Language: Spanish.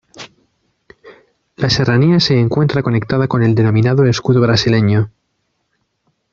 La serranía se encuentra conectada con el denominado escudo brasileño.